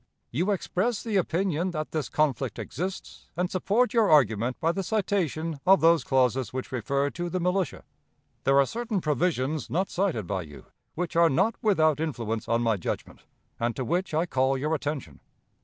"You express the opinion that this conflict exists, and support your argument by the citation of those clauses which refer to the militia. There are certain provisions not cited by you, which are not without influence on my judgment, and to which I call your attention.